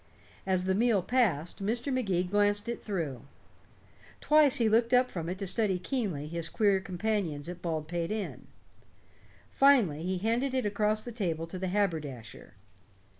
As the meal passed, Mr. Magee glanced it through. Twice he looked up from it to study keenly his queer companions at Baldpate Inn. Finally he handed it across the table to the haberdasher.